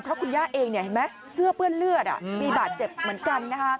เพราะคุณย่าเองเห็นไหมเสื้อเปื้อนเลือดมีบาดเจ็บเหมือนกัน